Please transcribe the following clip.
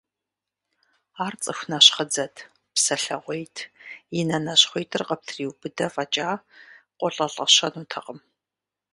Ар цӀыху нэщхъыдзэт, псэлъэгъуейт, и нэ нащхъуитӀыр къыптриубыдэ фӀэкӀа, къолӀэлӀэщэнутэкъым.